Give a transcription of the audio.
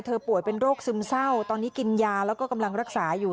ป่วยเป็นโรคซึมเศร้าตอนนี้กินยาแล้วก็กำลังรักษาอยู่